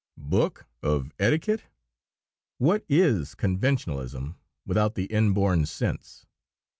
Book of Etiquette! What is conventionalism without the inborn sense?